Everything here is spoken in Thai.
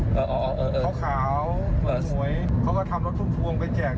เขาขาวหน่วยเขาก็ทำรถทุกทวงไปแจก